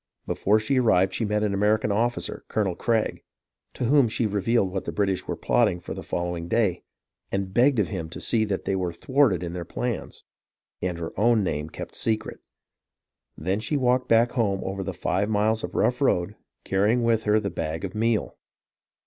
Before she arrived she met an American officer, Colonel Craig, to whom she revealed what the British were plotting for the following day, and begged of him to see that they were thwarted in their plans, and her own name kept secret. Then she walked back home over the five miles of rough road, carrying with her the bag of meal.